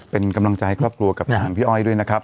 เป็นกำลังใจครอบครัวกับทางพี่อ้อยด้วยนะครับ